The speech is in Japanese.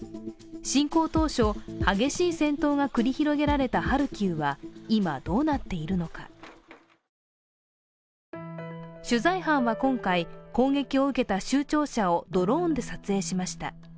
侵攻当初、激しい戦闘が繰り広げられたハルキウは今、どうなっているのか取材班は今回、攻撃を受けた州庁舎をドローンで撮影しました。